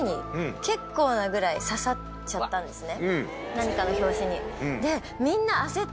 何かの拍子に。